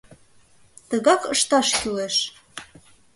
— Тыгак ышташ кӱлеш...